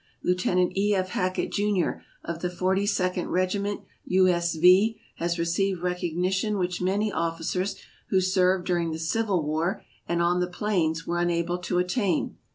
Lieutenant E. F. Hackett, Jr., of the Forty second Eegiment, U. S. Y., has received recognition which many ofl&cers who served during the Civil War and on the plains were unable to attain.